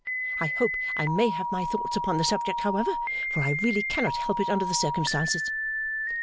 I hope I may have my thoughts upon the subject, however, for I really cannot help it under the circumstances.